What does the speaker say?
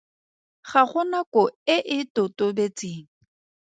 Ga go nako e e totobetseng.